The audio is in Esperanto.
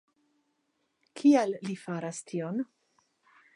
Kial li faras tion?